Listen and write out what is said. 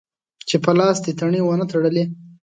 چې په خپل لاس دې تڼۍ و نه تړلې.